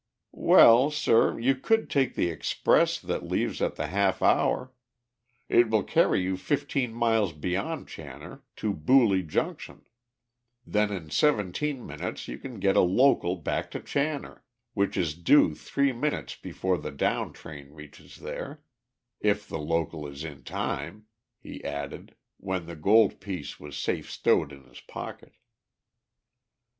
"Well, sir, you could take the express that leaves at the half hour. It will carry you fifteen miles beyond Channor, to Buley Junction, then in seventeen minutes you can get a local back to Channor, which is due three minutes before the down train reaches there if the local is in time," he added, when the gold piece was safe stowed in his pocket.